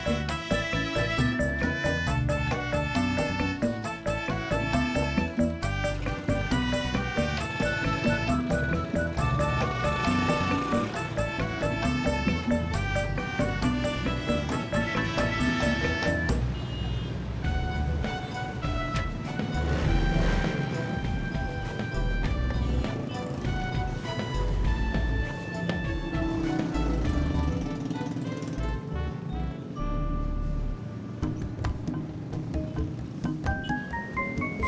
makasih ya pak